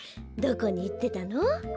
どこにいってたの？